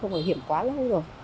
không có hiểm quá lâu rồi